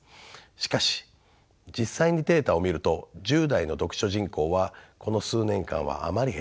しかし実際にデータを見ると１０代の読書人口はこの数年間はあまり減っていません。